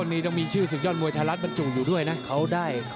วันนี้ต้องมีชื่อศึกยอดมวยไทยรัฐบรรจุอยู่ด้วยนะเขาได้